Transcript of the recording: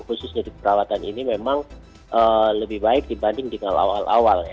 khusus dari keperawatan ini memang lebih baik dibanding dengan awal awal ya